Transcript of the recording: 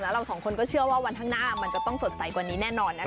แล้วเราสองคนก็เชื่อว่าวันข้างหน้ามันจะต้องสดใสกว่านี้แน่นอนนะคะ